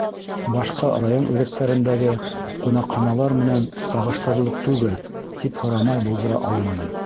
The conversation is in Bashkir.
Башҡа район үҙәктәрендәге ҡунаҡханалар менән сағыштырырлыҡ түгел. — тип һорамай булдыра алманым.